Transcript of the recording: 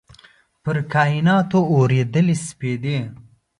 پر کایناتو اوريدلي سپیدې